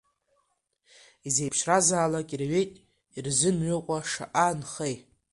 Изеиԥшразаалак ирҩит, ирзымҩыкәа шаҟа нхеи?